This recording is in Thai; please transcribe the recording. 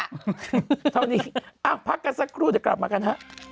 เท่านี้พักกันสักครู่เดี๋ยวกลับมากันฮะ